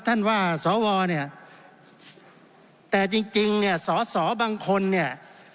ว่าสวเนี่ยแต่จริงจริงเนี่ยสอสอบางคนเนี่ย